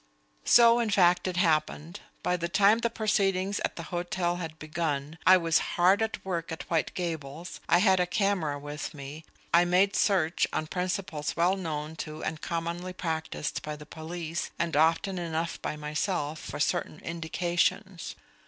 So in fact it happened. By the time the proceedings at the hotel had begun, I was hard at work at White Gables. I had a camera with me. I made search, on principles well known to and commonly practised by the police, and often enough by myself, for certain indications.